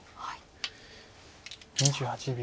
２８秒。